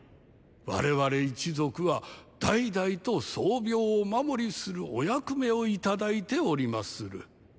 我々一族は代々と宗廟をお守りするお役目を頂いておりまする。